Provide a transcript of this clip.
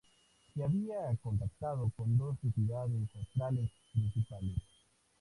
Se había contactado con dos entidades astrales principales.